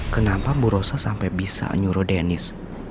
kenapa bu rosa sampai bisa nyuruh denis